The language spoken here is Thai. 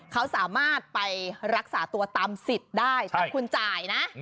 เขาสามารถไปรักษาตัวตามสิทธิ์ได้ถ้าคุณจ่ายนะ